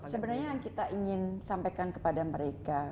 sebenarnya yang kita ingin sampaikan kepada mereka